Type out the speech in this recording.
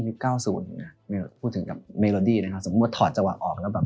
๙๐เนี่ยพูดถึงแบบเมโลดี้นะครับสมมติว่าถอดเจาะออกแล้วแบบ